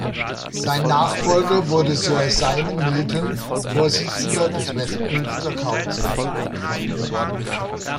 Sein Nachfolger wurde Sir Simon Milton, Vorsitzender des Westminster Council.